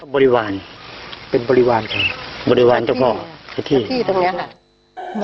บริวารเป็นบริวารของบริวารเจ้าพ่อที่ตรงเนี้ยค่ะ